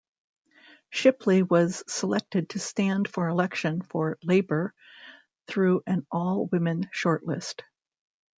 Shipley was selected to stand for election for Labour through an all-women shortlist.